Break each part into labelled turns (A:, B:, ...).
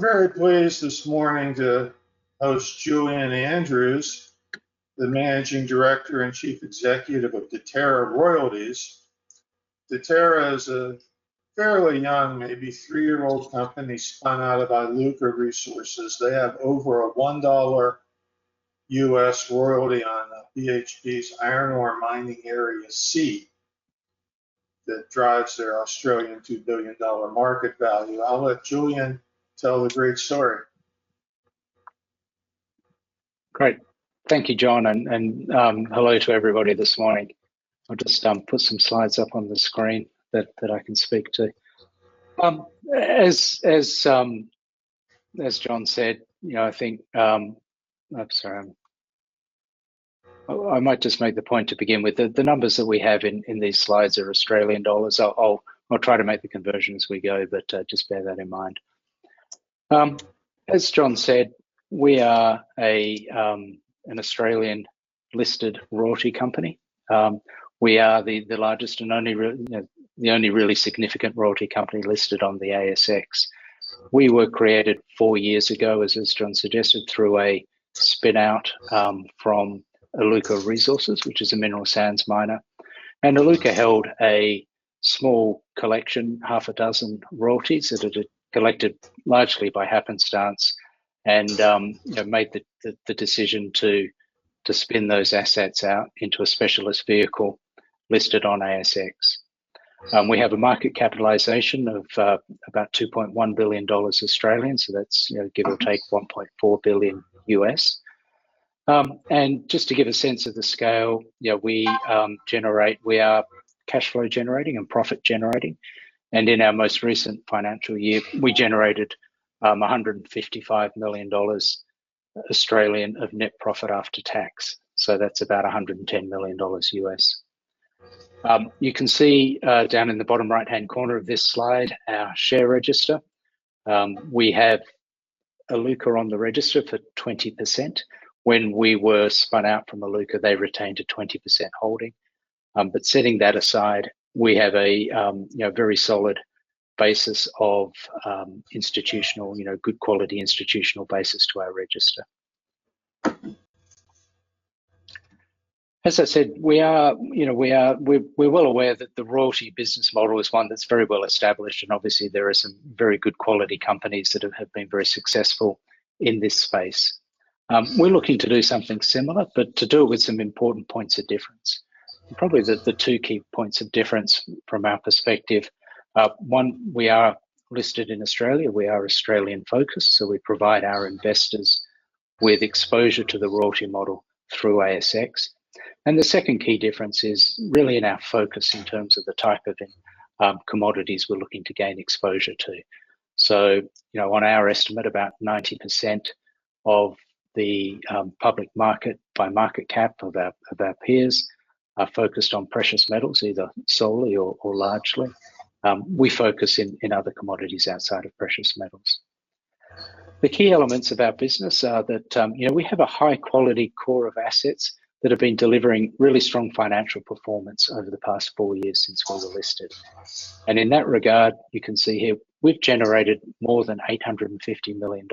A: We're very pleased this morning to host Julian Andrews, the Managing Director and Chief Executive of Deterra Royalties. Deterra is a fairly young, maybe three-year-old company, spun out of Iluka Resources. They have over a $1 billion US royalty on BHP's iron ore Mining Area C that drives their Australian $2 billion market value. I'll let Julian tell the great story.
B: Great. Thank you, John, hello to everybody this morning. I'll just put some slides up on the screen that I can speak to. As John said, you know, I think... I'm sorry. I might just make the point to begin with, the numbers that we have in these slides are Australian dollars. I'll try to make the conversion as we go, but just bear that in mind. As John said, we are an Australian-listed royalty company. We are the largest and only really significant royalty company listed on the ASX. We were created four years ago, as John suggested, through a spin-out from Iluka Resources, which is a mineral sands miner. Iluka held a small collection, half a dozen royalties, that it had collected largely by happenstance and, you know, made the decision to spin those assets out into a specialist vehicle listed on ASX. We have a market capitalization of about 2.1 billion dollars, so that's, you know, give or take, $1.4 billion. Just to give a sense of the scale, you know, we are cash flow generating and profit generating, and in our most recent financial year, we generated 155 million Australian dollars of net profit after tax, so that's about $110 million. You can see down in the bottom right-hand corner of this slide, our share register. We have Iluka on the register for 20%. When we were spun out from Iluka, they retained a 20% holding. But setting that aside, we have a, you know, very solid basis of, institutional, you know, good quality institutional basis to our register. As I said, we are, you know, well aware that the royalty business model is one that's very well established, and obviously there are some very good quality companies that have been very successful in this space. We're looking to do something similar, but to do it with some important points of difference. And probably the two key points of difference from our perspective are: one, we are listed in Australia. We are Australian-focused, so we provide our investors with exposure to the royalty model through ASX. And the second key difference is really in our focus in terms of the type of, commodities we're looking to gain exposure to. So, you know, on our estimate, about 90% of the public market by market cap of our peers are focused on precious metals, either solely or largely. We focus in other commodities outside of precious metals. The key elements of our business are that, you know, we have a high-quality core of assets that have been delivering really strong financial performance over the past four years since we were listed. And in that regard, you can see here, we've generated more than 850 million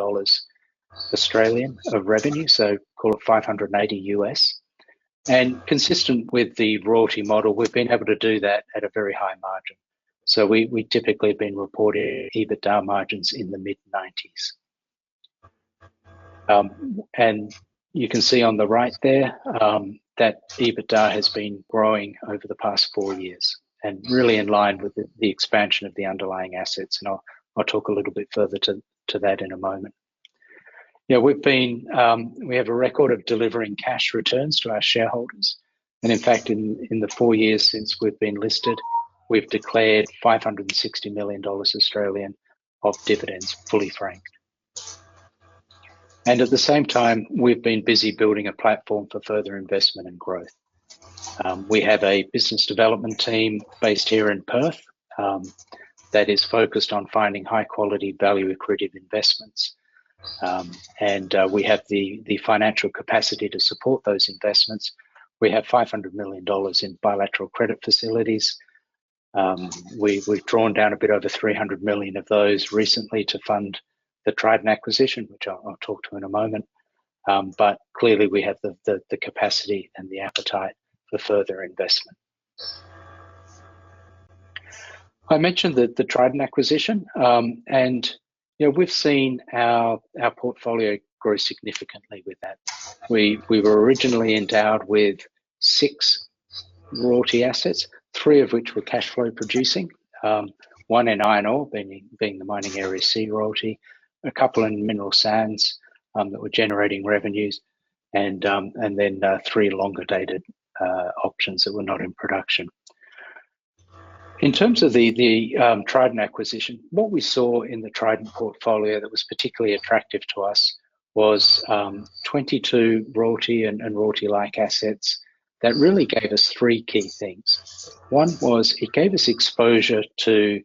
B: Australian dollars of revenue, so call it $580 million. And consistent with the royalty model, we've been able to do that at a very high margin. We've typically been reporting EBITDA margins in the mid-90s%. You can see on the right there that EBITDA has been growing over the past four years and really in line with the expansion of the underlying assets, and I'll talk a little bit further to that in a moment. You know, we have a record of delivering cash returns to our shareholders, and in fact, in the four years since we've been listed, we've declared 560 million Australian dollars of dividends, fully franked. At the same time, we've been busy building a platform for further investment and growth. We have a business development team based here in Perth that is focused on finding high quality, value accretive investments. We have the financial capacity to support those investments. We have 500 million dollars in bilateral credit facilities. We've drawn down a bit over 300 million of those recently to fund the Trident acquisition, which I'll talk to in a moment. But clearly, we have the capacity and the appetite for further investment. I mentioned the Trident acquisition, and you know, we've seen our portfolio grow significantly with that. We were originally endowed with six royalty assets, three of which were cash flow producing. One in iron ore, being the Mining Area C royalty, a couple in mineral sands, that were generating revenues, and then three longer-dated options that were not in production. In terms of the Trident acquisition, what we saw in the Trident portfolio that was particularly attractive to us was 22 royalty and royalty-like assets that really gave us three key things. One was it gave us exposure to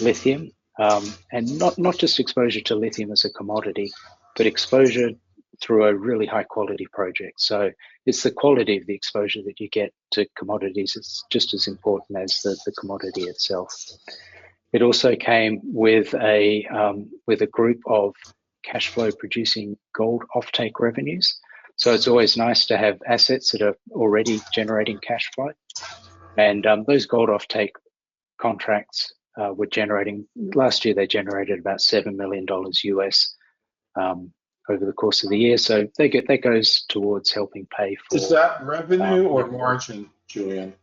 B: lithium, and not just exposure to lithium as a commodity, but exposure through a really high-quality project. So it's the quality of the exposure that you get to commodities, it's just as important as the commodity itself. It also came with a group of cash flow producing gold offtake revenues. So it's always nice to have assets that are already generating cash flow. And those gold offtake contracts were generating last year, they generated about $7 million over the course of the year. So they go, that goes towards helping pay for-
A: Is that revenue or margin, Julian?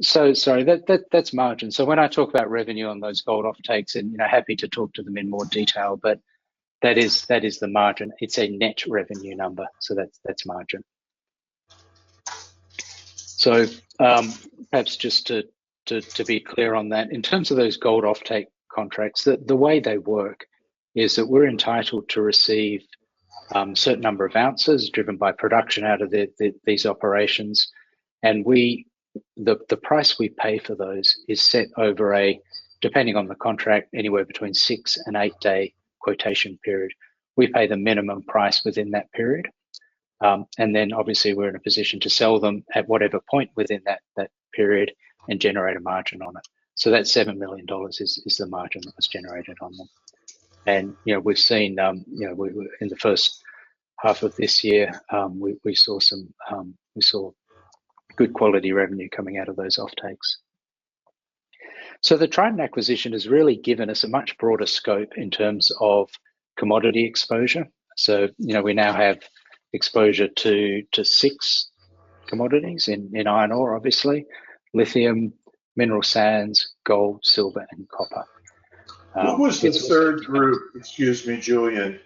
B: That's margin. When I talk about revenue on those gold offtakes, and you know, happy to talk to them in more detail, but that is the margin. It's a net revenue number, so that's margin. Perhaps just to be clear on that, in terms of those gold offtake contracts, the way they work is that we're entitled to receive certain number of ounces driven by production out of these operations, and the price we pay for those is set over a, depending on the contract, anywhere between six- and eight-day quotation period. We pay the minimum price within that period, and then obviously we're in a position to sell them at whatever point within that period and generate a margin on it. So that $7 million is the margin that was generated on them. And, you know, we've seen, you know, in the first half of this year, we saw some good quality revenue coming out of those offtakes. So the Trident acquisition has really given us a much broader scope in terms of commodity exposure. So, you know, we now have exposure to six commodities in iron ore, obviously, lithium, mineral sands, gold, silver, and copper.
A: What was the third group, excuse me, Julian,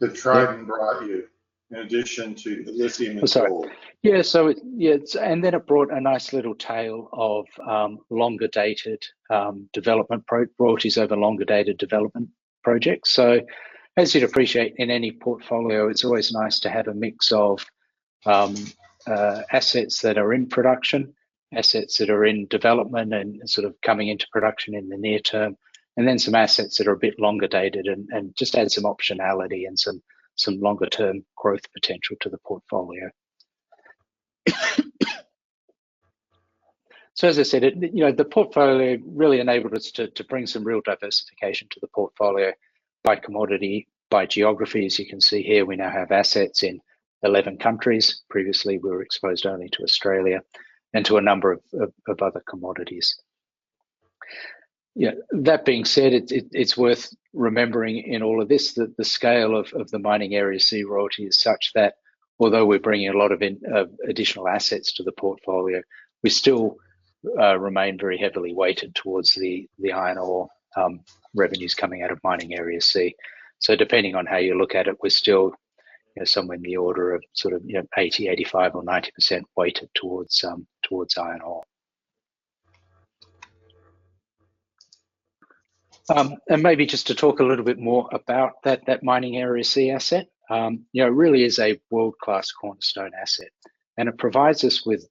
A: that Trident brought you in addition to the lithium and gold?
B: Sorry. Yeah, so it and then it brought a nice little tail of longer-dated development project royalties over longer-dated development projects. So as you'd appreciate in any portfolio, it's always nice to have a mix of assets that are in production, assets that are in development and sort of coming into production in the near term, and then some assets that are a bit longer-dated and just add some optionality and some longer-term growth potential to the portfolio. So, as I said, it you know, the portfolio really enabled us to bring some real diversification to the portfolio by commodity, by geography. As you can see here, we now have assets in 11 countries. Previously, we were exposed only to Australia and to a number of other commodities. Yeah, that being said, it's worth remembering in all of this that the scale of the Mining Area C royalty is such that although we're bringing a lot of in additional assets to the portfolio, we still remain very heavily weighted towards the iron ore revenues coming out of Mining Area C. So depending on how you look at it, we're still, you know, somewhere in the order of sort of, you know, 80, 85, or 90% weighted towards iron ore. And maybe just to talk a little bit more about that Mining Area C asset, you know, it really is a world-class cornerstone asset, and it provides us with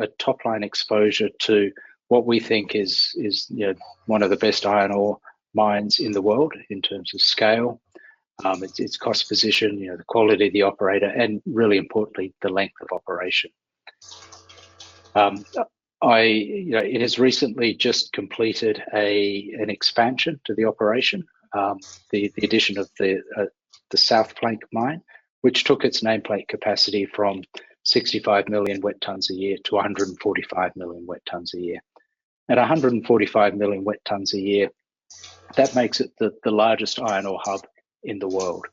B: a top-line exposure to what we think is, you know, one of the best iron ore mines in the world in terms of scale, its cost position, you know, the quality of the operator, and really importantly, the length of operation. I, you know, it has recently just completed an expansion to the operation. The addition of the South Flank mine, which took its nameplate capacity from 65 million wet tonnes a year to 145 million wet tonnes a year. At 145 million wet tonnes a year, that makes it the largest iron ore hub in the world.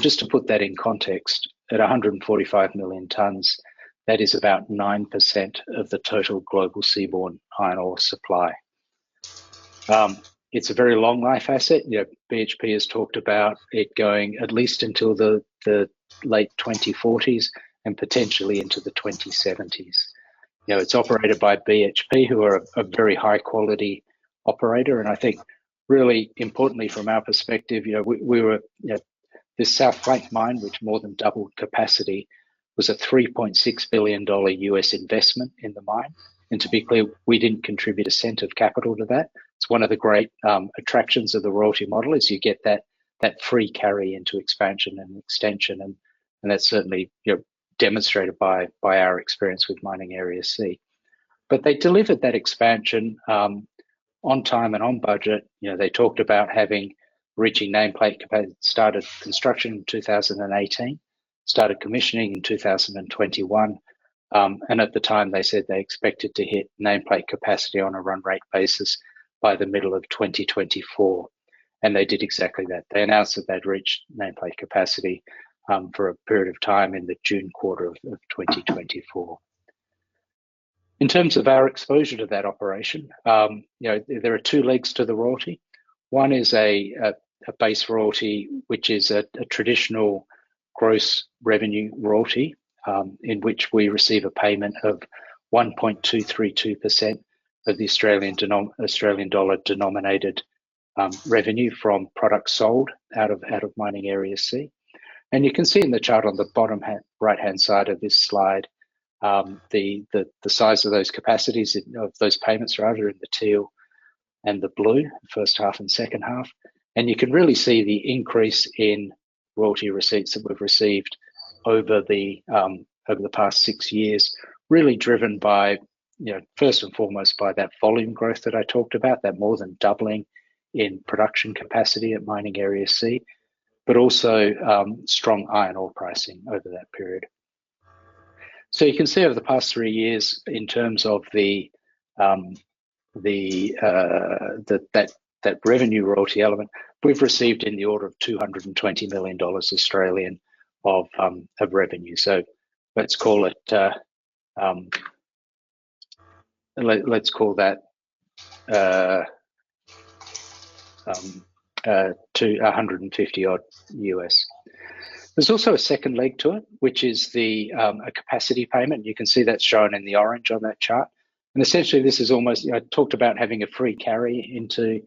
B: Just to put that in context, at 145 million tonnes, that is about 9% of the total global seaborne iron ore supply. It's a very long-life asset. You know, BHP has talked about it going at least until the late 2040s and potentially into the 2070s. You know, it's operated by BHP, who are a very high-quality operator, and I think really importantly from our perspective, you know, we were, you know, the South Flank mine, which more than doubled capacity, was a $3.6 billion US investment in the mine. To be clear, we didn't contribute a cent of capital to that. It's one of the great attractions of the royalty model, is you get that free carry into expansion and extension, and that's certainly, you know, demonstrated by our experience with Mining Area C. But they delivered that expansion on time and on budget. You know, they talked about having reached nameplate capacity. Started construction in 2018, started commissioning in 2021, and at the time, they said they expected to hit nameplate capacity on a run rate basis by the middle of 2024, and they did exactly that. They announced that they'd reached nameplate capacity for a period of time in the June quarter of 2024. In terms of our exposure to that operation, you know, there are two legs to the royalty. One is a base royalty, which is a traditional gross revenue royalty, in which we receive a payment of 1.232% of the Australian dollar-denominated revenue from products sold out of Mining Area C. And you can see in the chart on the bottom right-hand side of this slide, the size of those capacities, of those payments rather, in the teal and the blue, first half and second half. And you can really see the increase in royalty receipts that we've received over the past six years, really driven by, you know, first and foremost, by that volume growth that I talked about, that more than doubling in production capacity at Mining Area C, but also strong iron ore pricing over that period. So you can see over the past three years, in terms of the revenue royalty element, we've received in the order of AUD 220 million of revenue. So let's call it $150 million odd US. There's also a second leg to it, which is the capacity payment. You can see that's shown in the orange on that chart. And essentially, this is almost, you know, I talked about having a free carry into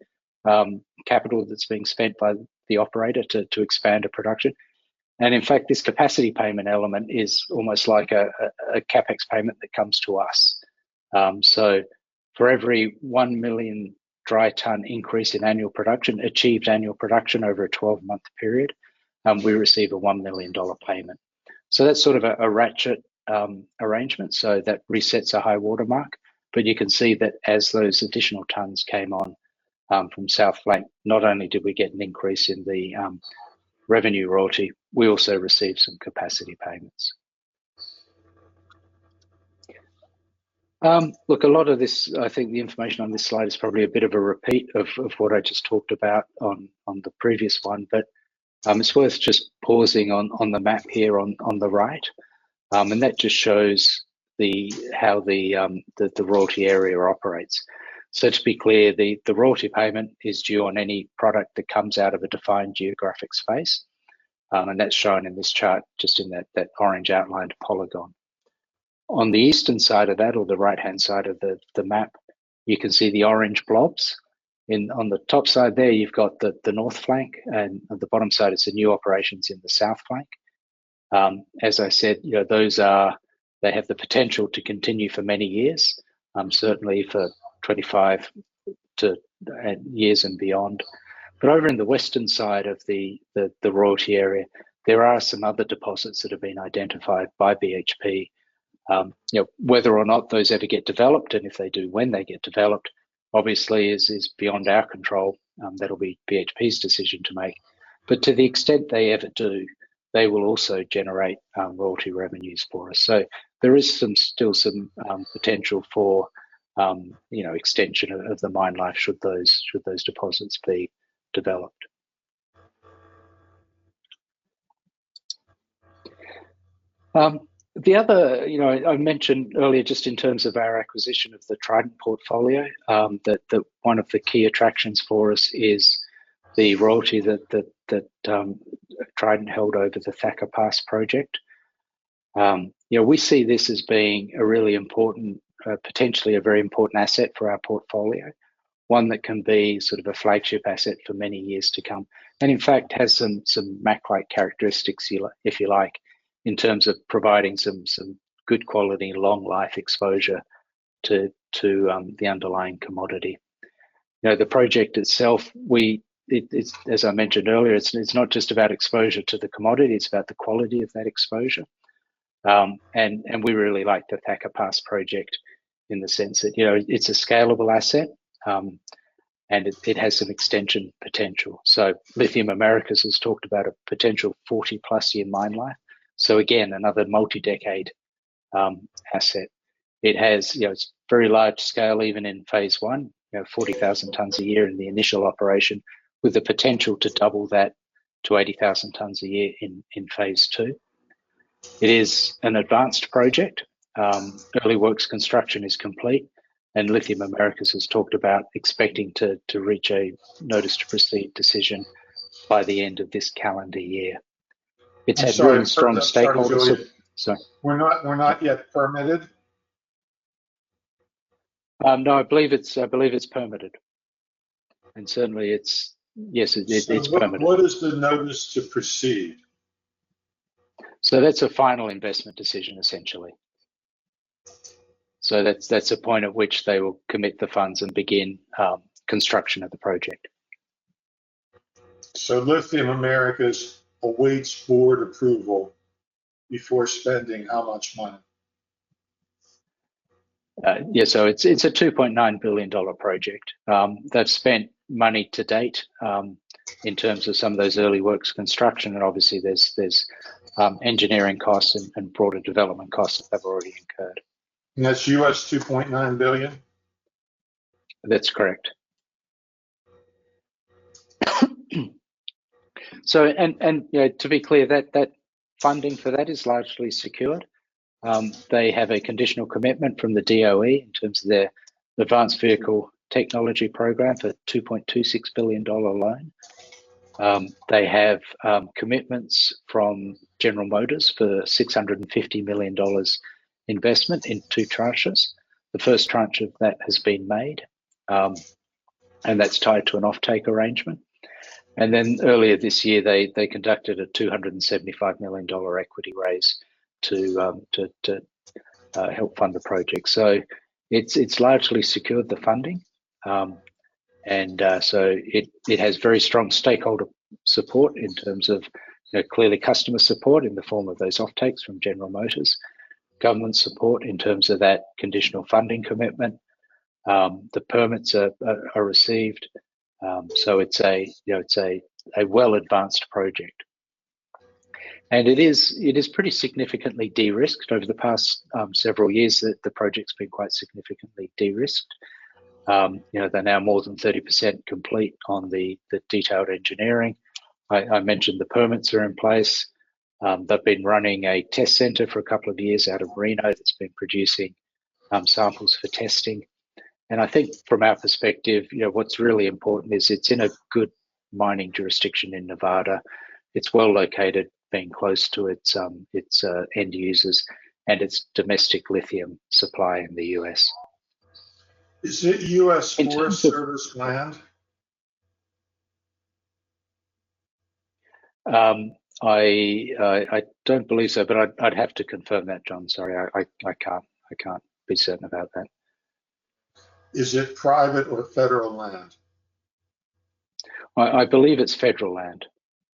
B: capital that's being spent by the operator to expand production. And in fact, this capacity payment element is almost like a CapEx payment that comes to us. So for every 1 million dry tonne increase in annual production achieved over a 12-month period, we receive an 1 million dollar payment. That's sort of a ratchet arrangement so that resets a high watermark. But you can see that as those additional tonnes came on from South Flank, not only did we get an increase in the revenue royalty, we also received some capacity payments. Look, a lot of this, I think the information on this slide is probably a bit of a repeat of what I just talked about on the previous one, but it's worth just pausing on the map here on the right. That just shows how the royalty area operates. So to be clear, the royalty payment is due on any product that comes out of a defined geographic space, and that's shown in this chart, just in that orange outlined polygon. On the eastern side of that or the right-hand side of the map, you can see the orange blobs. On the top side there, you've got the North Flank, and at the bottom side, it's the new operations in the South Flank. As I said, you know, those are. They have the potential to continue for many years, certainly for 2025 years and beyond. But over in the western side of the royalty area, there are some other deposits that have been identified by BHP. You know, whether or not those ever get developed, and if they do, when they get developed, obviously is beyond our control. That'll be BHP's decision to make. But to the extent they ever do, they will also generate royalty revenues for us. So there is still some potential for you know, extension of the mine life, should those deposits be developed. The other... You know, I mentioned earlier, just in terms of our acquisition of the Trident portfolio, that one of the key attractions for us is the royalty that Trident held over the Thacker Pass project. You know, we see this as being a really important, potentially a very important asset for our portfolio. One that can be sort of a flagship asset for many years to come, and in fact, has some MAC-like characteristics, if you like, in terms of providing some good quality, long life exposure to the underlying commodity. You know, the project itself, it's, as I mentioned earlier, it's not just about exposure to the commodity, it's about the quality of that exposure. And we really like the Thacker Pass project in the sense that, you know, it's a scalable asset, and it has some extension potential. So Lithium Americas has talked about a potential 40-plus year mine life. So again, another multi-decade asset. It has, you know, it's very large scale, even in phase one, you know, 40,000 tons a year in the initial operation, with the potential to double that to 80,000 tons a year in phase two. It is an advanced project. Early works construction is complete, and Lithium Americas has talked about expecting to reach a notice to proceed decision by the end of this calendar year. It's had really strong stakeholder-...
A: Sorry, sorry, really?
B: Sorry.
A: We're not yet permitted?
B: No, I believe it's permitted, and certainly, it's permitted. Yes, it is.
A: What is the notice to proceed?
B: That's a final investment decision, essentially. That's a point at which they will commit the funds and begin construction of the project.
A: So Lithium Americas awaits board approval before spending how much money?
B: Yeah, so it's a 2.9 billion dollar project. They've spent money to date in terms of some of those early works construction, and obviously there's engineering costs and broader development costs that have already incurred.
A: That's $2.9 billion?
B: That's correct. So, you know, to be clear, that funding for that is largely secured. They have a conditional commitment from the DOE, in terms of their advanced vehicle technology program, a $2.26 billion loan. They have commitments from General Motors for $650 million investment in two tranches. The first tranche of that has been made, and that's tied to an offtake arrangement. Then earlier this year, they conducted a $275 million equity raise to help fund the project. So it's largely secured the funding. So it has very strong stakeholder support in terms of, you know, clearly customer support in the form of those offtakes from General Motors. Government support in terms of that conditional funding commitment. The permits are received. So it's a well-advanced project. And it is pretty significantly de-risked over the past several years that the project's been quite significantly de-risked. You know, they're now more than 30% complete on the detailed engineering. I mentioned the permits are in place. They've been running a test center for a couple of years out of Reno that's been producing samples for testing. And I think from our perspective, you know, what's really important is it's in a good mining jurisdiction in Nevada. It's well located, being close to its end users and its domestic lithium supply in the U.S.
A: Is it U.S. Forest Service land?
B: I don't believe so, but I'd have to confirm that, John. Sorry, I can't be certain about that.
A: Is it private or federal land?
B: I believe it's federal land,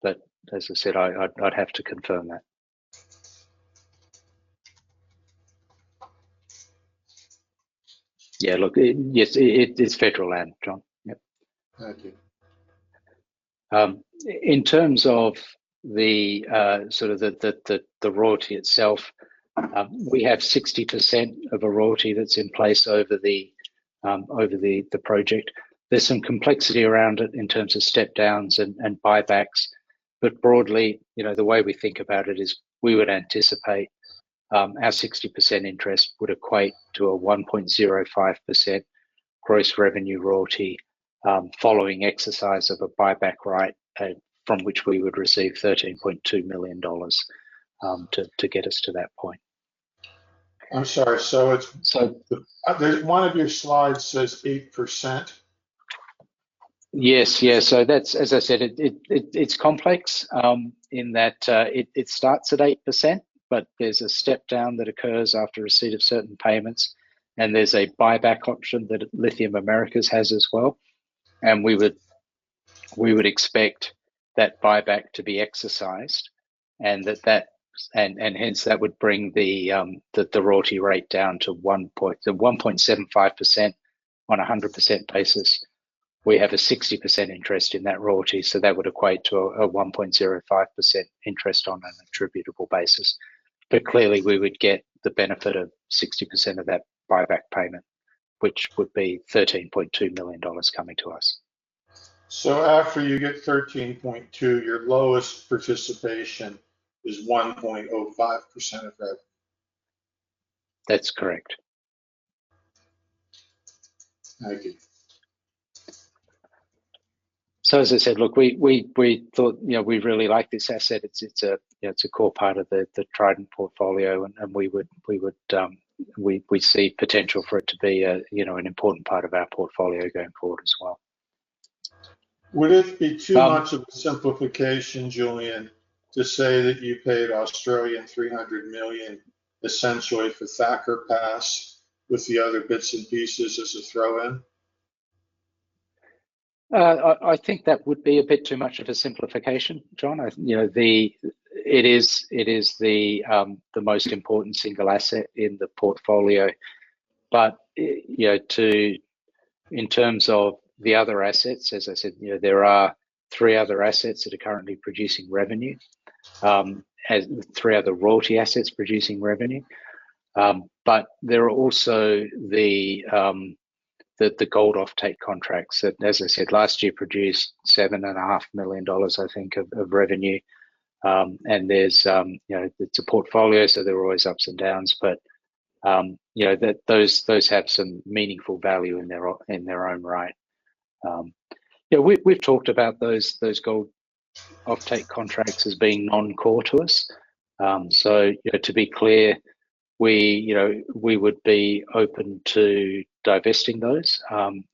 B: but as I said, I'd have to confirm that. Yeah, look, yes, it's federal land, John. Yep.
A: Thank you.
B: In terms of the sort of the royalty itself, we have 60% of a royalty that's in place over the project. There's some complexity around it in terms of step downs and buybacks, but broadly, you know, the way we think about it is we would anticipate our 60% interest would equate to a 1.05% gross revenue royalty, following exercise of a buyback right, from which we would receive 13.2 million dollars to get us to that point.
A: I'm sorry, so it's-
B: So-
A: There, one of your slides says 8%.
B: Yes, yes. So that's, as I said, it's complex, in that, it starts at 8%, but there's a step down that occurs after receipt of certain payments, and there's a buyback option that Lithium Americas has as well. And we would expect that buyback to be exercised, and hence, that would bring the royalty rate down to 1.75% on a 100% basis. We have a 60% interest in that royalty, so that would equate to a 1.05% interest on an attributable basis. But clearly, we would get the benefit of 60% of that buyback payment, which would be $13.2 million coming to us.
A: So after you get 13.2, your lowest participation is 1.05% of that?
B: That's correct.
A: Thank you.
B: As I said, look, we thought, you know, we really like this asset. It's a, you know, it's a core part of the Trident portfolio, and we would see potential for it to be a, you know, an important part of our portfolio going forward as well.
A: Would it be too much of a simplification, Julian, to say that you paid 300 million essentially for Thacker Pass, with the other bits and pieces as a throw-in?
B: I think that would be a bit too much of a simplification, John. You know, it is the most important single asset in the portfolio. But you know, in terms of the other assets, as I said, you know, there are three other assets that are currently producing revenue. Three other royalty assets producing revenue. But there are also the gold offtake contracts that, as I said, last year produced 7.5 million dollars, I think, of revenue. And there's you know, it's a portfolio, so there are always ups and downs, but you know, those have some meaningful value in their own right. Yeah, we've talked about those gold offtake contracts as being non-core to us. So, you know, to be clear, we, you know, we would be open to divesting those,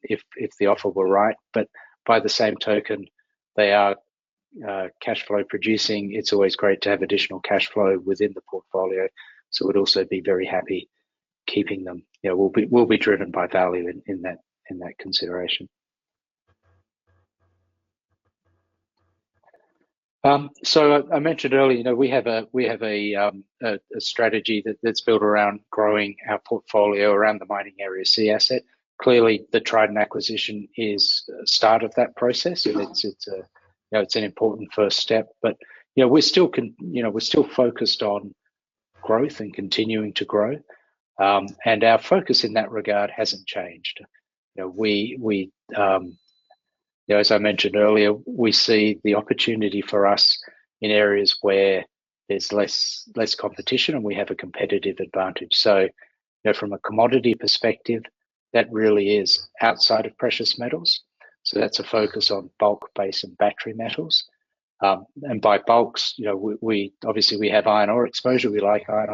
B: if the offer were right. But by the same token, they are cash flow producing. It's always great to have additional cash flow within the portfolio, so we'd also be very happy keeping them. Yeah, we'll be driven by value in that consideration. So I mentioned earlier, you know, we have a strategy that's built around growing our portfolio around the Mining Area C asset. Clearly, the Trident acquisition is a start of that process.
A: Mmm.
B: It's a, you know, it's an important first step, but, you know, we're still, you know, we're still focused on growth and continuing to grow. And our focus in that regard hasn't changed. You know, you know, as I mentioned earlier, we see the opportunity for us in areas where there's less competition, and we have a competitive advantage. So, you know, from a commodity perspective, that really is outside of precious metals, so that's a focus on bulk base and battery metals. And by bulk, you know, we obviously have iron ore exposure. We like iron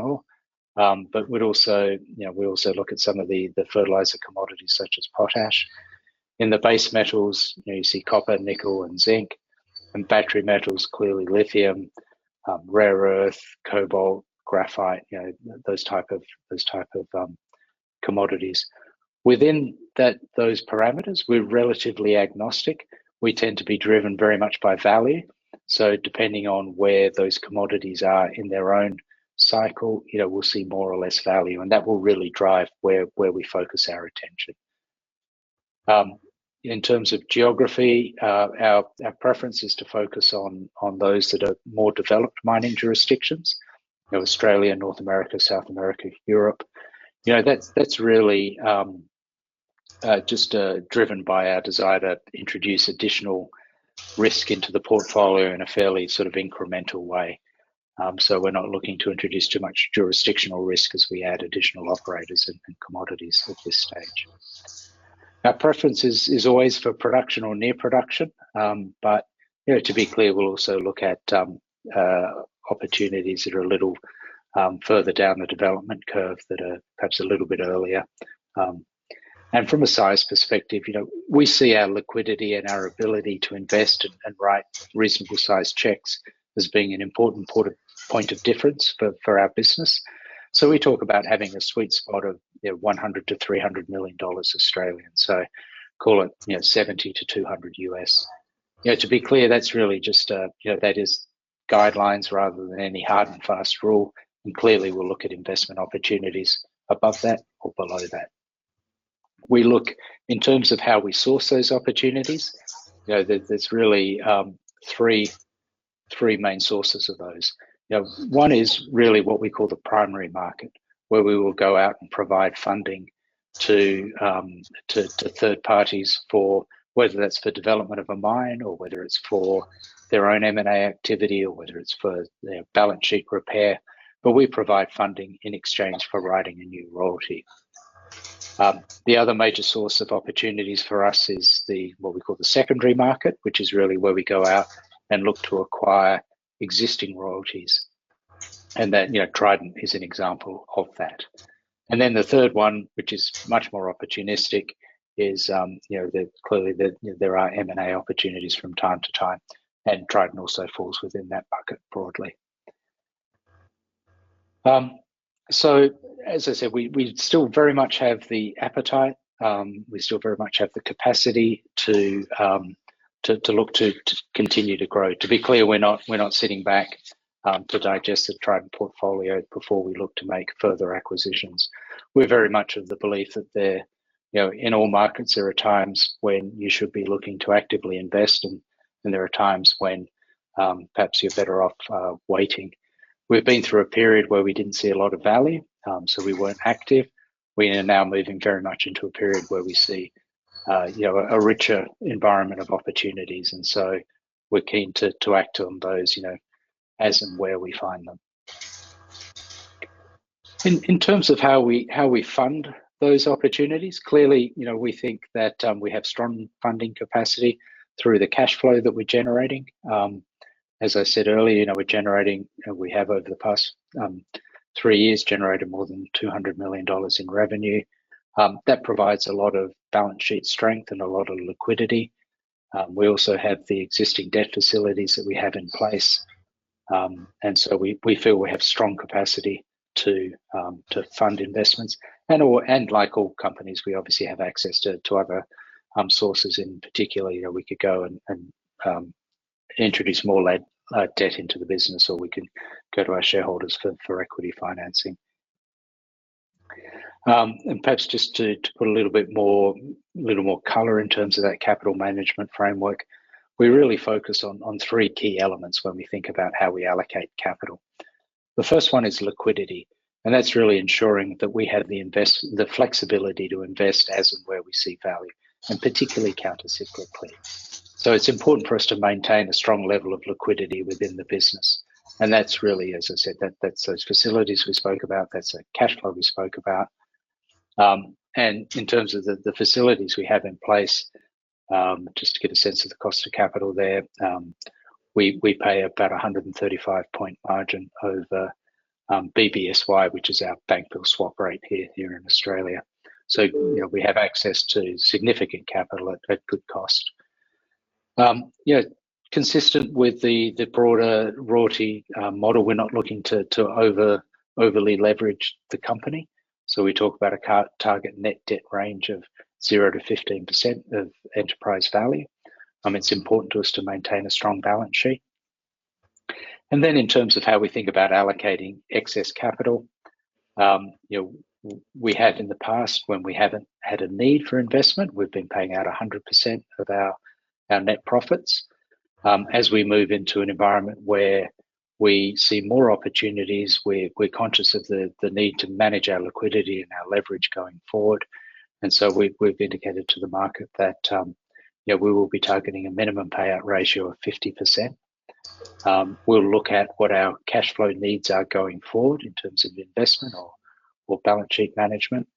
B: ore, but we'd also, you know, we also look at some of the fertilizer commodities such as potash. In the base metals, you know, you see copper, nickel, and zinc, and battery metals, clearly lithium, rare earth, cobalt, graphite, you know, those type of commodities. Within those parameters, we're relatively agnostic. We tend to be driven very much by value, so depending on where those commodities are in their own cycle, you know, we'll see more or less value, and that will really drive where we focus our attention. In terms of geography, our preference is to focus on those that are more developed mining jurisdictions: Australia, North America, South America, Europe. You know, that's really just driven by our desire to introduce additional risk into the portfolio in a fairly sort of incremental way. So we're not looking to introduce too much jurisdictional risk as we add additional operators and commodities at this stage. Our preference is always for production or near production, but, you know, to be clear, we'll also look at opportunities that are a little further down the development curve that are perhaps a little bit earlier. And from a size perspective, you know, we see our liquidity and our ability to invest and write reasonable-sized checks as being an important point of difference for our business. We talk about having a sweet spot of, you know, 100-300 million dollars. Call it, you know, $70-200 million. You know, to be clear, that's really just, you know, that is guidelines rather than any hard and fast rule, and clearly, we'll look at investment opportunities above that or below that. In terms of how we source those opportunities, you know, there, there's really three main sources of those. You know, one is really what we call the primary market, where we will go out and provide funding to third parties for whether that's for development of a mine, or whether it's for their own M&A activity, or whether it's for their balance sheet repair, but we provide funding in exchange for writing a new royalty. The other major source of opportunities for us is what we call the secondary market, which is really where we go out and look to acquire existing royalties. And that, you know, Trident is an example of that. And then the third one, which is much more opportunistic, is, you know, that clearly, there are M&A opportunities from time to time, and Trident also falls within that bucket broadly. So as I said, we still very much have the appetite, we still very much have the capacity to look to continue to grow. To be clear, we're not sitting back to digest the Trident portfolio before we look to make further acquisitions. We're very much of the belief that there, you know, in all markets, there are times when you should be looking to actively invest, and there are times when, perhaps you're better off waiting. We've been through a period where we didn't see a lot of value, so we weren't active. We are now moving very much into a period where we see, you know, a richer environment of opportunities, and so we're keen to act on those, you know, as and where we find them. In terms of how we fund those opportunities, clearly, you know, we think that we have strong funding capacity through the cash flow that we're generating. As I said earlier, you know, we're generating. We have over the past three years, generated more than 200 million dollars in revenue. That provides a lot of balance sheet strength and a lot of liquidity. We also have the existing debt facilities that we have in place, and so we feel we have strong capacity to fund investments, and like all companies, we obviously have access to other sources in particular. You know, we could go and introduce more debt into the business, or we could go to our shareholders for equity financing, and perhaps just to put a little bit more color in terms of that capital management framework, we really focus on three key elements when we think about how we allocate capital. The first one is liquidity, and that's really ensuring that we have the flexibility to invest as and where we see value, and particularly countercyclically. So it's important for us to maintain a strong level of liquidity within the business, and that's really, as I said, that's those facilities we spoke about, that's the cash flow we spoke about. And in terms of the facilities we have in place, just to get a sense of the cost of capital there, we pay about a 135-point margin over BBSY, which is our bank bill swap rate here in Australia. So, you know, we have access to significant capital at good cost. You know, consistent with the broader royalty model, we're not looking to overly leverage the company. So we talk about a target net debt range of 0-15% of enterprise value. It's important to us to maintain a strong balance sheet. And then in terms of how we think about allocating excess capital, you know, we have in the past, when we haven't had a need for investment, we've been paying out 100% of our net profits. As we move into an environment where we see more opportunities, we're conscious of the need to manage our liquidity and our leverage going forward, and so we've indicated to the market that, you know, we will be targeting a minimum payout ratio of 50%. We'll look at what our cash flow needs are going forward in terms of investment or balance sheet management,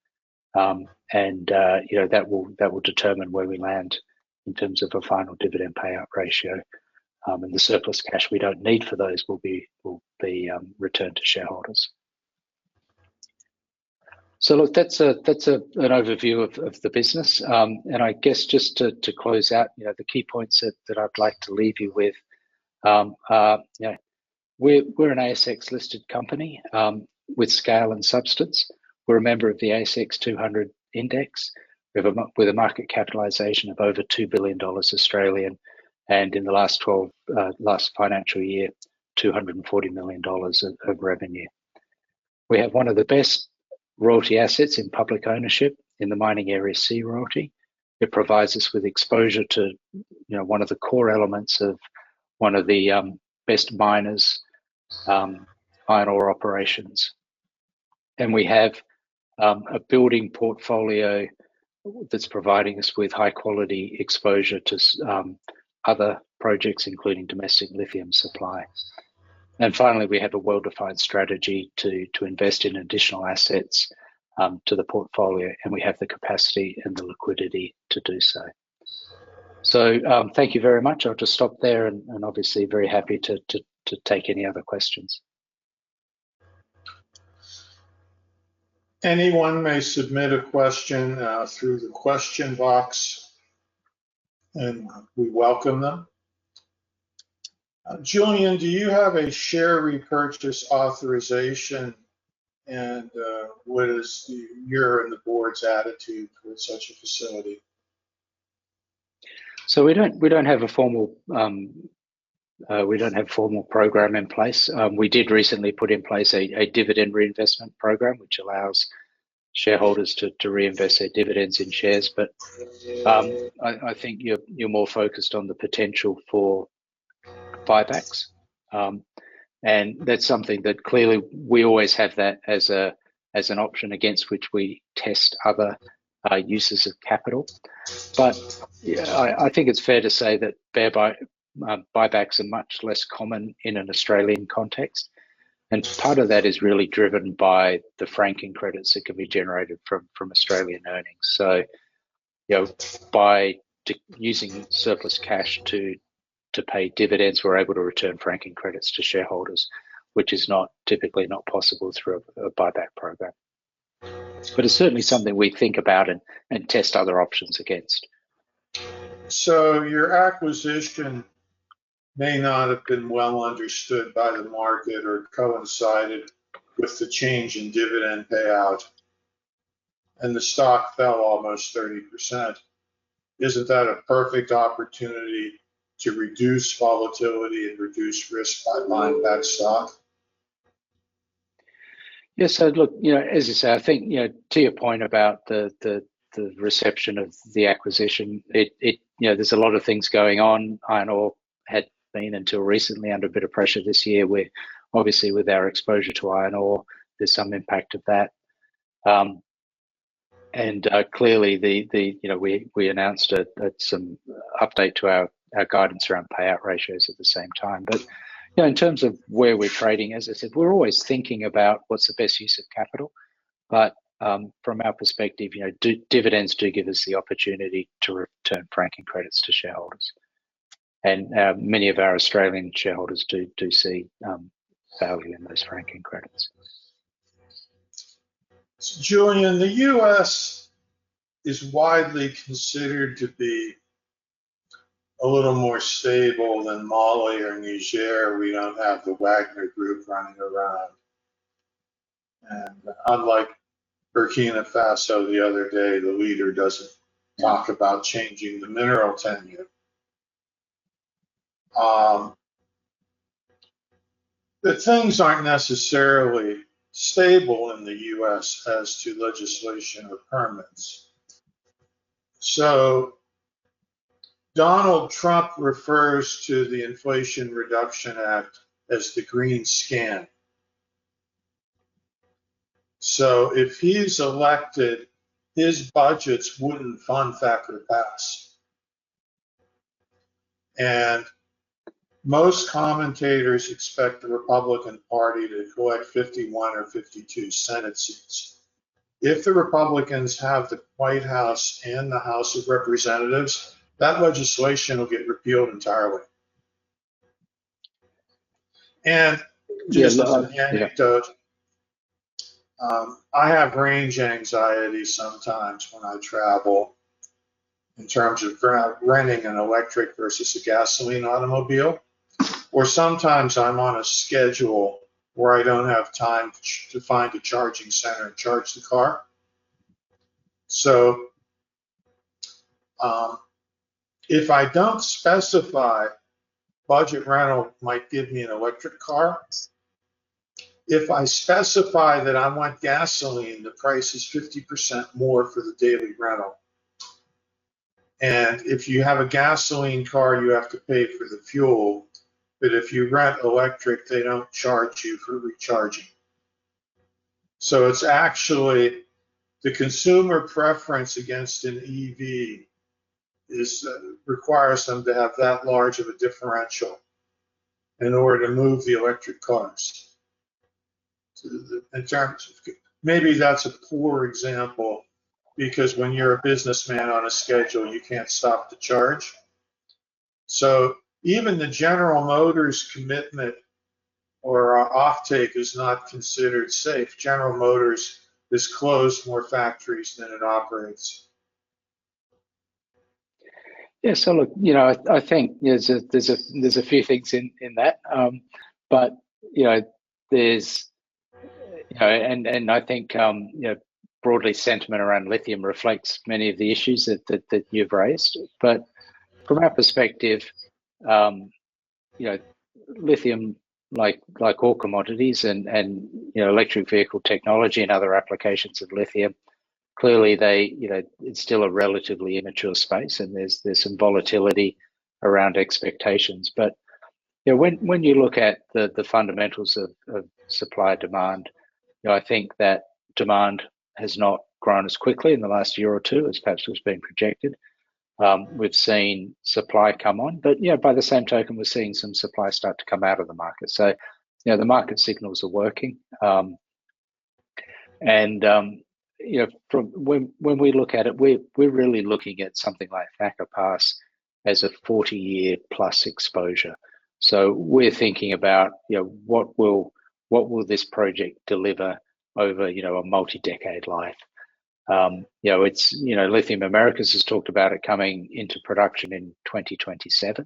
B: and, you know, that will determine where we land in terms of a final dividend payout ratio. And the surplus cash we don't need for those will be returned to shareholders. So look, that's an overview of the business. And I guess just to close out, you know, the key points that I'd like to leave you with are, you know, we're an ASX-listed company with scale and substance. We're a member of the ASX 200 index. We have with a market capitalization of over 2 billion Australian dollars, and in the last financial year, 240 million dollars of revenue. We have one of the best royalty assets in public ownership in the Mining Area C royalty. It provides us with exposure to, you know, one of the core elements of one of the best miners' iron ore operations. And we have a building portfolio that's providing us with high-quality exposure to other projects, including domestic lithium supply. And finally, we have a well-defined strategy to invest in additional assets to the portfolio, and we have the capacity and the liquidity to do so. So, thank you very much. I'll just stop there and obviously very happy to take any other questions.
A: Anyone may submit a question through the question box, and we welcome them. Julian, do you have a share repurchase authorization, and what is your and the board's attitude towards such a facility?
B: We don't have a formal program in place. We did recently put in place a dividend reinvestment program, which allows shareholders to reinvest their dividends in shares, but I think you're more focused on the potential for buybacks, and that's something that clearly we always have that as an option against which we test other uses of capital, but yeah, I think it's fair to say that share buybacks are much less common in an Australian context, and part of that is really driven by the franking credits that can be generated from Australian earnings, so you know, by using surplus cash to pay dividends, we're able to return franking credits to shareholders, which is not typically possible through a buyback program. But it's certainly something we think about and test other options against.
A: So your acquisition may not have been well understood by the market or coincided with the change in dividend payout, and the stock fell almost 30%. Isn't that a perfect opportunity to reduce volatility and reduce risk by buying back stock?
B: Yes, so look, you know, as you say, I think, you know, to your point about the reception of the acquisition, it. You know, there's a lot of things going on. Iron ore had been, until recently, under a bit of pressure this year, where obviously with our exposure to iron ore, there's some impact of that. And clearly, you know, we announced that some update to our guidance around payout ratios at the same time. But, you know, in terms of where we're trading, as I said, we're always thinking about what's the best use of capital. But from our perspective, you know, dividends do give us the opportunity to return franking credits to shareholders. And many of our Australian shareholders do see value in those franking credits.
A: Julian, the U.S. is widely considered to be a little more stable than Mali or Niger. We don't have the Wagner Group running around. And unlike Burkina Faso the other day, the leader doesn't talk about changing the mineral tenure. But things aren't necessarily stable in the U.S. as to legislation or permits. So Donald Trump refers to the Inflation Reduction Act as the green scam. So if he's elected, his budgets wouldn't fund Thacker Pass. And most commentators expect the Republican Party to collect fifty-one or fifty-two Senate seats. If the Republicans have the White House and the House of Representatives, that legislation will get repealed entirely. And just an anecdote-
B: Yeah.
A: I have range anxiety sometimes when I travel in terms of renting an electric versus a gasoline automobile, or sometimes I'm on a schedule where I don't have time to find a charging center to charge the car. So, if I don't specify, Budget Rental might give me an electric car. If I specify that I want gasoline, the price is 50% more for the daily rental. And if you have a gasoline car, you have to pay for the fuel, but if you rent electric, they don't charge you for recharging. So it's actually the consumer preference against an EV is requires them to have that large of a differential in order to move the electric cars. In terms of, maybe that's a poor example, because when you're a businessman on a schedule, you can't stop to charge. Even the General Motors commitment or offtake is not considered safe. General Motors has closed more factories than it operates.
B: Yeah, so look, you know, I think there's a few things in that. But, you know, there's. You know, and I think, you know, broad sentiment around lithium reflects many of the issues that you've raised. But from our perspective, you know, lithium, like all commodities and, you know, electric vehicle technology and other applications of lithium, clearly they, you know, it's still a relatively immature space, and there's some volatility around expectations. But, you know, when you look at the fundamentals of supply and demand, you know, I think that demand has not grown as quickly in the last year or two as perhaps it was being projected. We've seen supply come on, but, you know, by the same token, we're seeing some supply start to come out of the market. So, you know, the market signals are working. And, you know, from when we look at it, we're really looking at something like Thacker Pass as a forty-year-plus exposure. So we're thinking about, you know, what will this project deliver over, you know, a multi-decade life? You know, it's, you know, Lithium Americas has talked about it coming into production in 2027.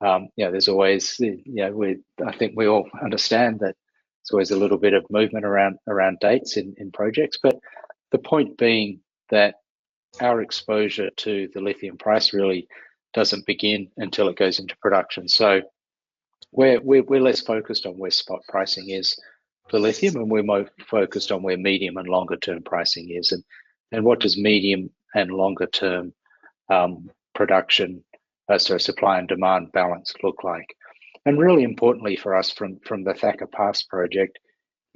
B: You know, there's always, you know, we I think we all understand that there's always a little bit of movement around dates in projects. But the point being that our exposure to the lithium price really doesn't begin until it goes into production. So we're less focused on where spot pricing is for lithium, and we're more focused on where medium and longer-term pricing is and what does medium and longer-term production so supply and demand balance look like. And really importantly for us from the Thacker Pass project,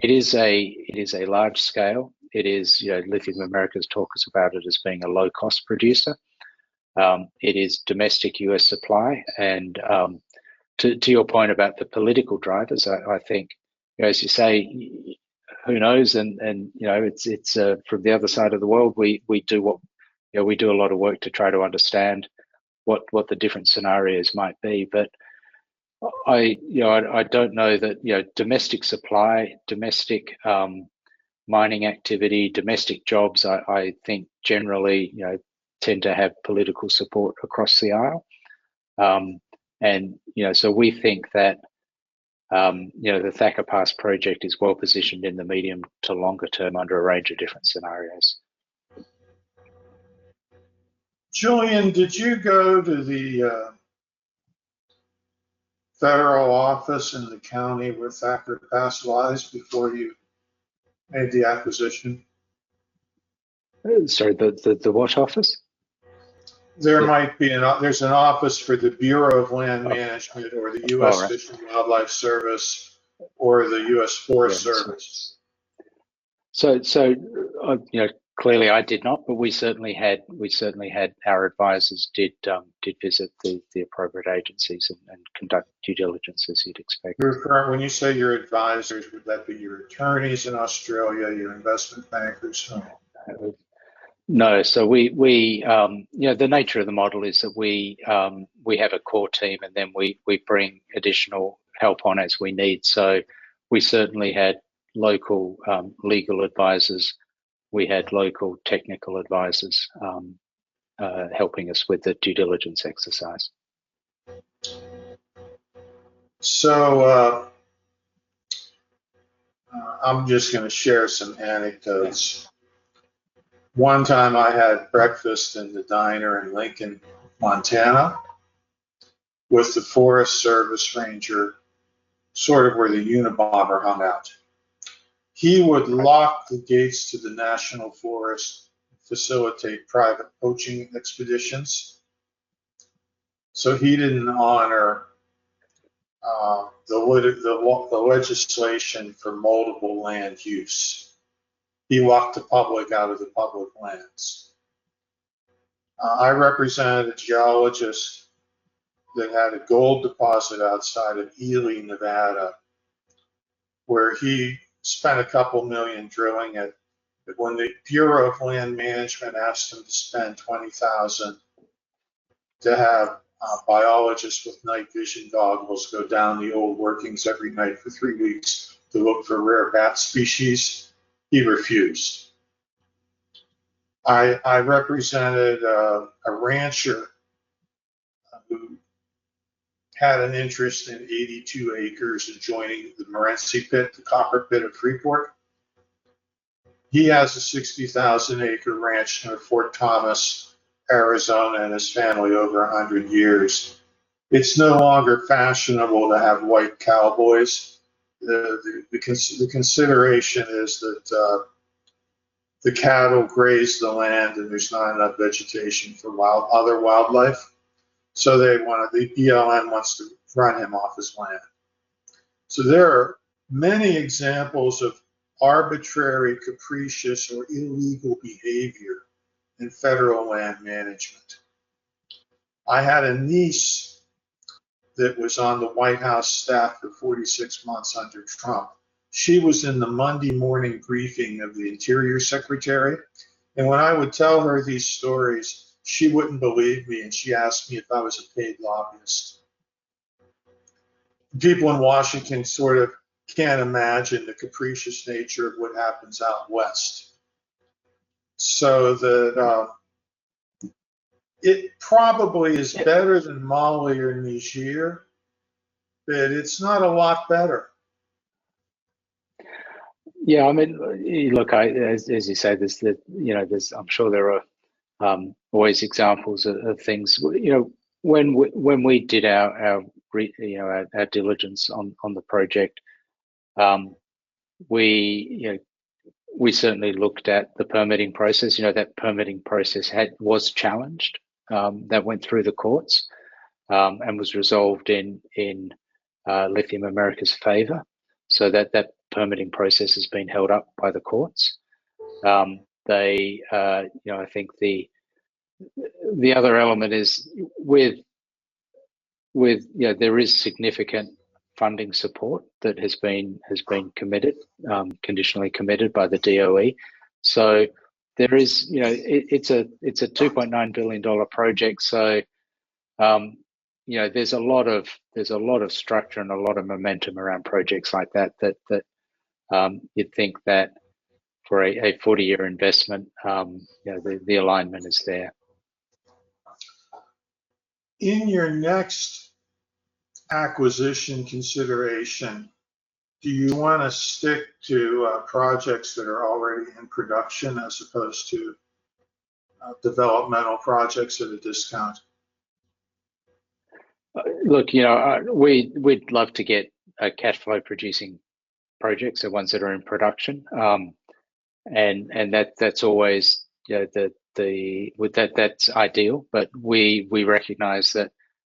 B: it is a large scale. It is, you know, Lithium Americas talk us about it as being a low-cost producer. It is domestic U.S. supply. And to your point about the political drivers, I think, you know, as you say, who knows, and you know, it's from the other side of the world, we do what. You know, we do a lot of work to try to understand what the different scenarios might be. But, you know, I don't know that, you know, domestic supply, domestic mining activity, domestic jobs, I think generally, you know, tend to have political support across the aisle. And, you know, so we think that, you know, the Thacker Pass project is well-positioned in the medium to longer term under a range of different scenarios.
A: Julian, did you go to the federal office in the county where Thacker Pass lies before you made the acquisition?
B: Sorry, the what office?
A: There might be an office for the Bureau of Land Management-
B: Oh.
A: or the U.S.
B: All right
A: Fish and Wildlife Service or the U.S. Forest Service.
B: You know, clearly I did not, but we certainly had. Our advisors did visit the appropriate agencies and conduct due diligence, as you'd expect.
A: When you say your advisors, would that be your attorneys in Australia, your investment bankers?
B: No. So we, you know, the nature of the model is that we have a core team, and then we bring additional help on as we need. So we certainly had local legal advisors. We had local technical advisors helping us with the due diligence exercise.
A: I'm just gonna share some anecdotes. One time I had breakfast in the diner in Lincoln, Montana, with the Forest Service ranger, sort of where the Unabomber hung out. He would lock the gates to the national forest to facilitate private poaching expeditions. He didn't honor the legislation for multiple land use. He locked the public out of the public lands. I represented a geologist that had a gold deposit outside of Ely, Nevada, where he spent $2 million drilling it. When the Bureau of Land Management asked him to spend $20,000 to have biologists with night vision goggles go down the old workings every night for three weeks to look for rare bat species, he refused. I represented a rancher who had an interest in 82 acres adjoining the Morenci pit, the copper pit of Freeport. He has a 60,000-acre ranch near Fort Thomas, Arizona, and his family over 100 years. It's no longer fashionable to have white cowboys. The consideration is that the cattle graze the land, and there's not enough vegetation for other wildlife, so they wanna. The BLM wants to run him off his land. So there are many examples of arbitrary, capricious, or illegal behavior in federal land management. I had a niece that was on the White House staff for 46 months under Trump. She was in the Monday morning briefing of the Interior Secretary, and when I would tell her these stories, she wouldn't believe me, and she asked me if I was a paid lobbyist. People in Washington sort of can't imagine the capricious nature of what happens out West, so that it probably is better than Mali or Niger, but it's not a lot better.
B: Yeah, I mean, look, I, as you say, there's the, you know, there's. I'm sure there are always examples of things. You know, when we did our brief, you know, our diligence on the project, we, you know, we certainly looked at the permitting process. You know, that permitting process was challenged, that went through the courts, and was resolved in Lithium Americas' favor, so that permitting process has been held up by the courts. They, you know, I think the other element is with, you know, there is significant funding support that has been committed, conditionally committed by the DOE. So there is, you know, it's a $2.9 billion project, so, you know, there's a lot of structure and a lot of momentum around projects like that that you'd think that for a 40-year investment, you know, the alignment is there.
A: In your next acquisition consideration, do you wanna stick to projects that are already in production as opposed to developmental projects at a discount?
B: Look, you know, we'd love to get cash flow producing projects or ones that are in production. And that's always, you know, the ideal, but we recognize that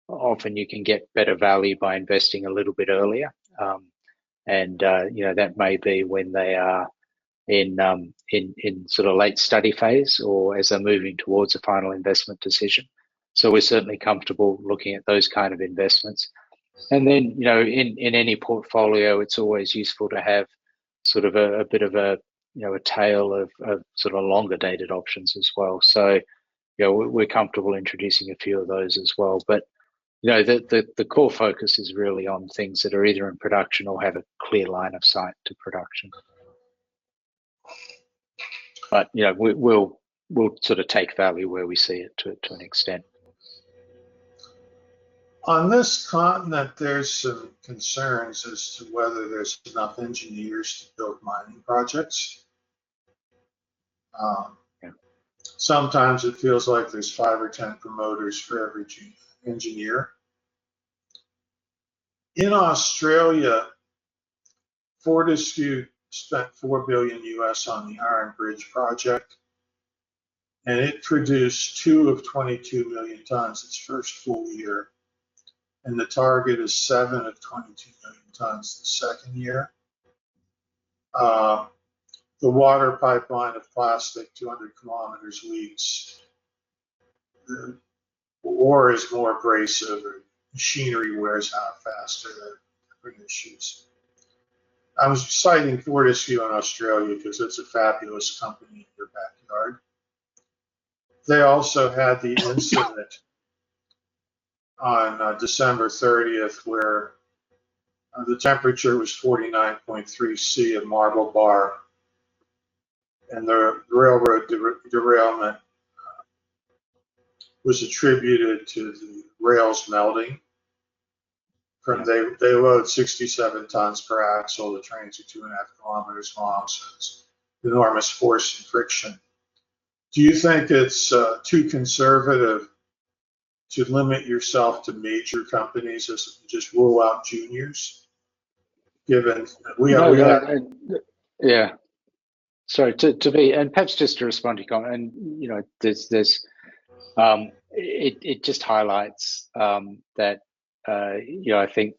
B: often you can get better value by investing a little bit earlier. You know, that may be when they are in sort of late study phase or as they're moving towards a final investment decision. So we're certainly comfortable looking at those kind of investments. And then, you know, in any portfolio, it's always useful to have sort of a bit of a, you know, a tail of sort of longer-dated options as well. So, you know, we're comfortable introducing a few of those as well. But, you know, the core focus is really on things that are either in production or have a clear line of sight to production. But, you know, we'll sort of take value where we see it to an extent.
A: On this continent, there's some concerns as to whether there's enough engineers to build mining projects. Sometimes it feels like there's five or ten promoters for every engineer. In Australia, Fortescue spent $4 billion on the Iron Bridge project, and it produced 2 of 22 million tons its first full year, and the target is 7 of 22 million tons the second year. The water pipeline of plastic, 200 kilometers leaks. The ore is more abrasive, and machinery wears out faster than it brings issues. I was citing Fortescue in Australia because it's a fabulous company in your backyard. They also had the incident on December thirtieth, where the temperature was 49.3 degrees Celsius at Marble Bar, and the railroad derailment was attributed to the rails melting. From there, they load 67 tons per axle. The trains are two and a half kilometers long, so it's enormous force and friction. Do you think it's too conservative to limit yourself to major companies as just rule out juniors, given we are-?
B: Yeah. So to me, and perhaps just to respond to comment, and you know, it just highlights that you know, I think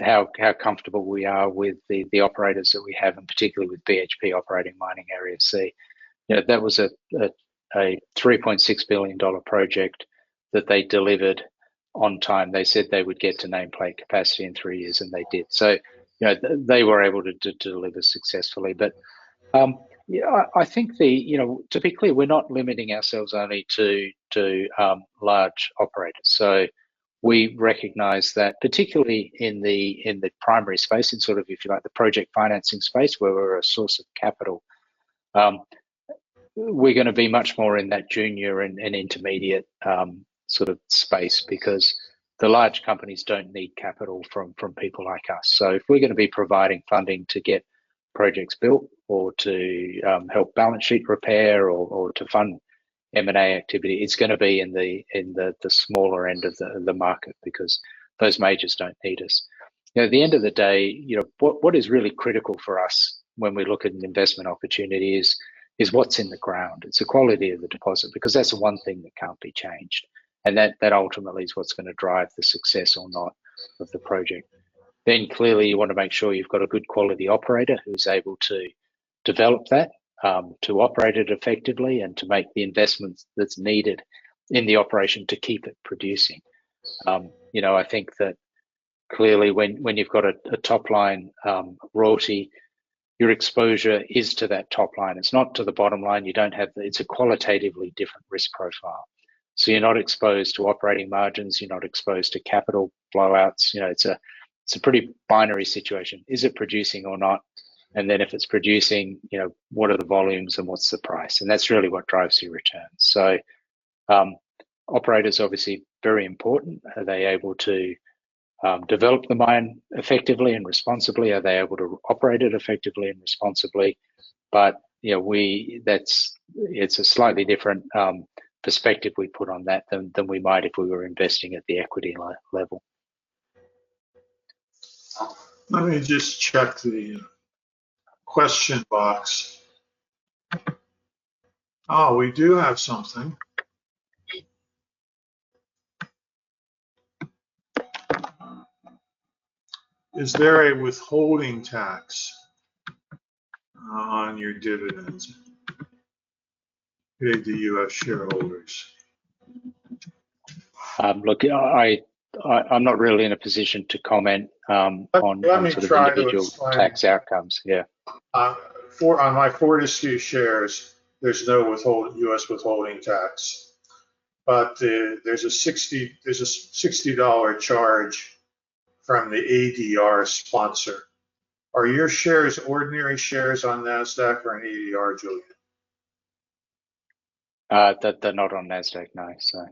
B: how comfortable we are with the operators that we have, and particularly with BHP operating Mining Area C. You know, that was a $3.6 billion project that they delivered on time. They said they would get to nameplate capacity in three years, and they did. So you know, they were able to deliver successfully. But yeah, I think... you know, to be clear, we're not limiting ourselves only to large operators. So we recognize that particularly in the primary space and sort of, if you like, the project financing space where we're a source of capital, we're gonna be much more in that junior and intermediate sort of space because the large companies don't need capital from people like us. So if we're gonna be providing funding to get projects built or to help balance sheet repair or to fund M&A activity, it's gonna be in the smaller end of the market because those majors don't need us. You know, at the end of the day, you know, what is really critical for us when we look at an investment opportunity is what's in the ground. It's the quality of the deposit, because that's the one thing that can't be changed. And that ultimately is what's gonna drive the success or not of the project. Then clearly, you wanna make sure you've got a good quality operator who's able to develop that, to operate it effectively, and to make the investments that's needed in the operation to keep it producing. You know, I think that clearly when you've got a top line royalty, your exposure is to that top line. It's not to the bottom line, you don't have the... It's a qualitatively different risk profile. So you're not exposed to operating margins, you're not exposed to capital blowouts. You know, it's a pretty binary situation. Is it producing or not? And then if it's producing, you know, what are the volumes and what's the price? And that's really what drives your returns. So, operator's obviously very important. Are they able to develop the mine effectively and responsibly? Are they able to operate it effectively and responsibly? But, you know, that's, it's a slightly different perspective we put on that than we might if we were investing at the equity level.
A: Let me just check the question box. Oh, we do have something. "Is there a withholding tax on your dividends paid to U.S. shareholders?
B: Look, I'm not really in a position to comment on-
A: Let me try to explain....
B: individual tax outcomes. Yeah.
A: For owning my Fortescue shares, there's no US withholding tax, but there's a $60 charge from the ADR sponsor. Are your shares ordinary shares on Nasdaq or an ADR, Julian?
B: They're not on Nasdaq, no. So...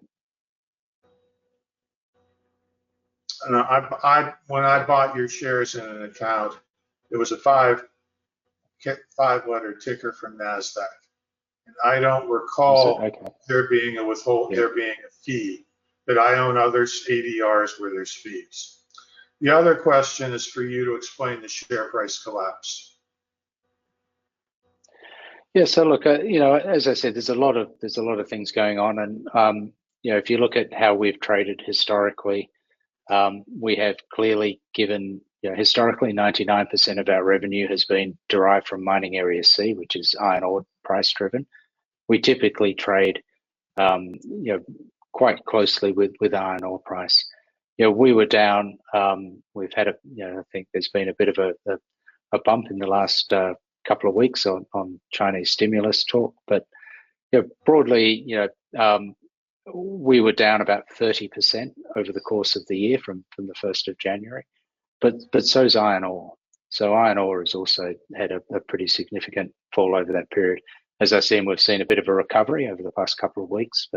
A: When I bought your shares in an account, it was a five letter ticker from Nasdaq, and I don't recall-
B: Okay...
A: there being a withhold-
B: Yeah...
A: there being a fee. But I own other ADRs where there's fees. The other question is for you to explain the share price collapse.
B: Yeah. So look, you know, as I said, there's a lot of things going on and, you know, if you look at how we've traded historically, we have clearly given... You know, historically, 99% of our revenue has been derived from Mining Area C, which is iron ore price driven. We typically trade, you know, quite closely with iron ore price. You know, we were down, we've had a, you know, I think there's been a bit of a bump in the last couple of weeks on Chinese stimulus talk. But, you know, broadly, you know, we were down about 30% over the course of the year from the first of January. But so is iron ore. So iron ore has also had a pretty significant fall over that period. As I said, we've seen a bit of a recovery over the past couple of weeks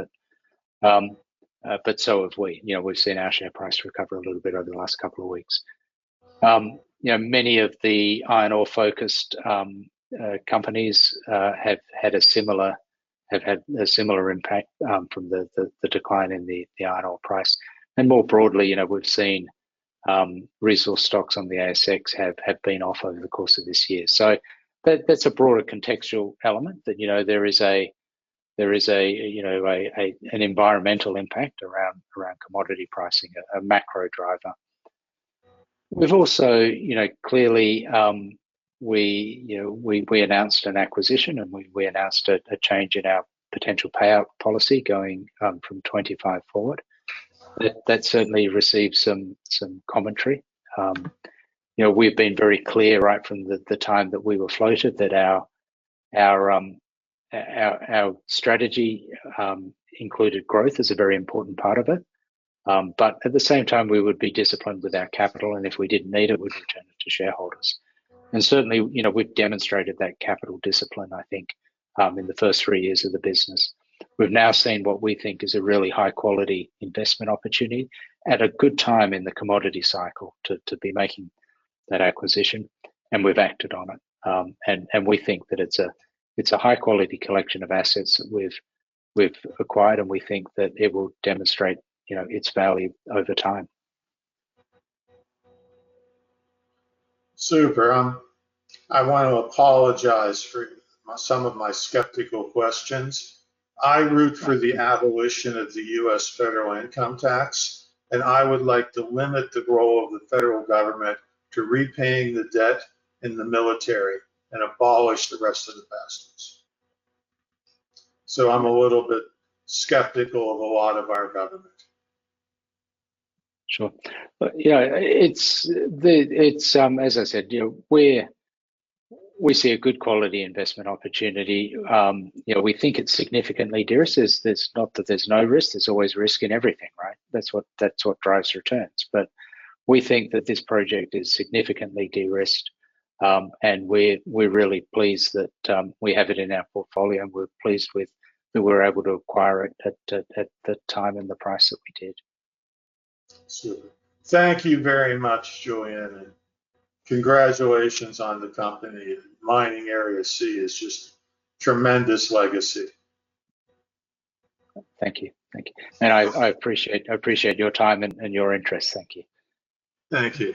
B: but so have we. You know, we've seen our share price recover a little bit over the last couple of weeks. You know, many of the iron ore focused companies have had a similar impact from the decline in the iron ore price. And more broadly, you know, we've seen resource stocks on the ASX have been off over the course of this year. So that's a broader contextual element that you know there is a you know an environmental impact around commodity pricing, a macro driver. We've also, you know, clearly, we announced an acquisition, and we announced a change in our potential payout policy going from 25 forward. That certainly received some commentary. You know, we've been very clear right from the time that we were floated, that our strategy included growth as a very important part of it. But at the same time we would be disciplined with our capital, and if we didn't need it, we'd return it to shareholders. Certainly, you know, we've demonstrated that capital discipline, I think, in the first three years of the business. We've now seen what we think is a really high-quality investment opportunity at a good time in the commodity cycle to be making that acquisition, and we've acted on it. We think that it's a high-quality collection of assets that we've acquired, and we think that it will demonstrate, you know, its value over time.
A: Super. I want to apologize for my, some of my skeptical questions. I root for the abolition of the U.S. federal income tax, and I would like to limit the role of the federal government to repaying the debt and the military, and abolish the rest of the portions. So I'm a little bit skeptical of a lot of our government.
B: Sure. But, you know, it's the, it's, as I said, you know, we see a good quality investment opportunity. You know, we think it's significantly de-risked. There's, not that there's no risk, there's always risk in everything, right? That's what drives returns. But we think that this project is significantly de-risked, and we're really pleased that we have it in our portfolio, and we're pleased that we were able to acquire it at the time and the price that we did.
A: Super. Thank you very much, Julian, and congratulations on the company. Mining Area C is just tremendous legacy.
B: Thank you. I appreciate your time and your interest. Thank you.
A: Thank you.